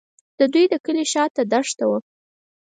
د دوی د کلي شاته دښته وه.